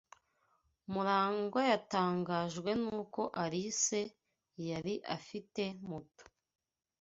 Murangwa yatangajwe nuko Alice yari afite moto.